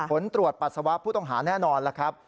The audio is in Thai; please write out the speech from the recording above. ผลตรวจปัสสาวะผู้ต้องหาแน่นอนแล้วครับ